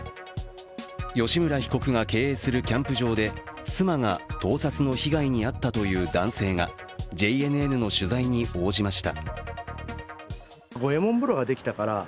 吉村被告が経営するキャンプ場で妻が盗撮の被害に遭ったという男性がＪＮＮの取材に応じました。